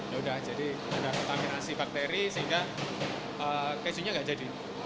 ya udah jadi ada kontaminasi bakteri sehingga kejunya nggak jadi